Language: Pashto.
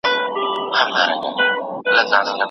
دا دوه به نه وي که بيا ـ بيا تصوير په خوب وويني